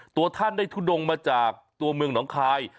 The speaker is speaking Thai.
ตัวท่านได้ทุดงมาจากตัวเมืองหนองคาย